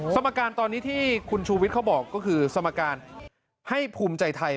สมการตอนนี้ที่คุณชูวิทย์เขาบอกก็คือสมการให้ภูมิใจไทย